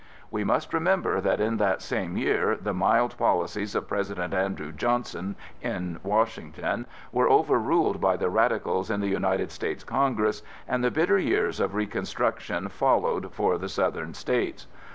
We must remember that in that same year the mild policies of President Andrew Johnson in Washington were overruled by the radicals in the United States Congress, and the bitter years of reconstruction followed for the Southern States.